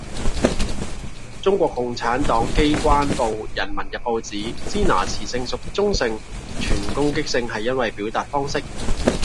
中國共產黨機關報人民日報指「支那」詞性屬中性，存攻擊性係因為表達方式